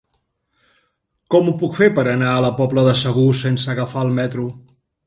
Com ho puc fer per anar a la Pobla de Segur sense agafar el metro?